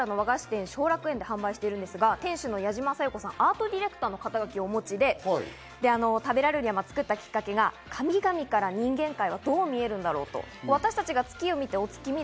これは東京・代々木上原の和菓子店・小楽園で販売しているんですが、店主の矢島沙夜子さんはアートディレクターの肩書きを持っておられて、食べられたきっかけは神々から人間界はどう見えるんだろう？